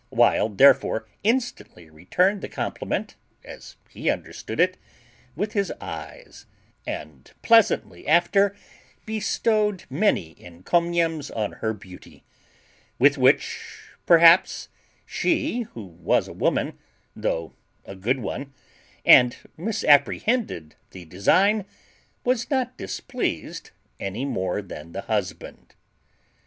Wild, therefore, instantly returned the compliment as he understood it, with his eyes, and presently after bestowed many encomiums on her beauty, with which, perhaps, she, who was a woman, though a good one, and misapprehended the design, was not displeased any more than the husband.